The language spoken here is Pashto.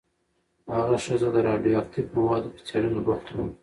هغه ښځه د راډیواکټیف موادو په څېړنه بوخته وه.